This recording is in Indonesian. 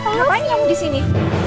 mau siapain umm di sini